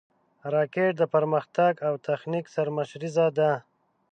راکټ د پرمختګ او تخنیک سرمشریزه ده